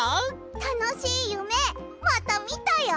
たのしいゆめまたみたよ。